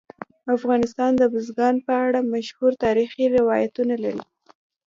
افغانستان د بزګان په اړه مشهور تاریخی روایتونه لري.